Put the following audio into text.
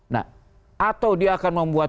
nah atau dia akan membuat